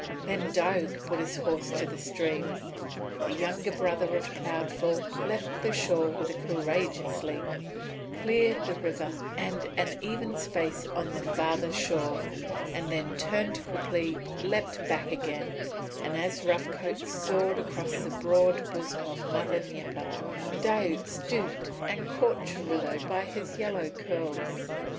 Then Diuk put his horse to the stream. The younger brother of Cloudfall left the shore with a courageous leap, cleared the river and an even space on the farther shore, and then turning quickly leapt back again; and as Rough Coat soared across the broad bosom of Mother Dnieper, Diuk stooped and caught Churilo by his yellow curls.